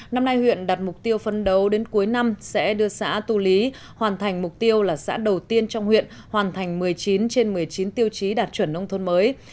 năm nay huyện đặt mục tiêu phân đấu đến cuối năm sẽ đưa xã tu lý hoàn thành mục tiêu là xã đầu tiên trong huyện hoàn thành một mươi chín trên một mươi chín tiêu chí đạt chuẩn nông thôn mới